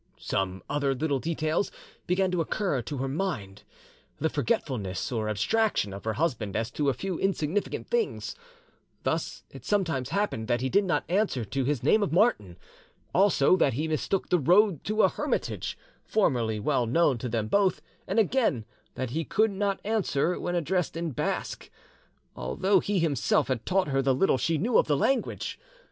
Some other little details began to occur to her mind—the forgetfulness or abstraction of her husband as to a few insignificant things; thus it sometimes happened that he did not answer to his name of Martin, also that he mistook the road to a hermitage, formerly well known to them both, and again that he could not answer when addressed in Basque, although he him self had taught her the little she knew of this language.